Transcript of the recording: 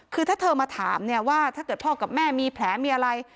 คือถ้าเธอมาถามเนี่ยว่าถ้าเกิดพ่อกับแม่มีแผลมีอะไร